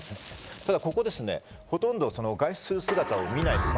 ただここ、ほとんど外出する姿を見ない。